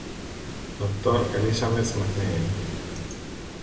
Dr. Elizabeth McNeil.